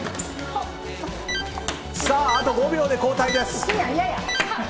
あと５秒で交代です。